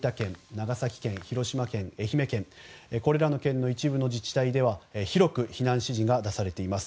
長崎県、広島県、愛媛県これらの県の自治体では広く避難指示が出されています。